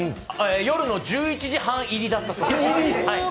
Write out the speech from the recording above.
夜の１１時半入りだったそうです。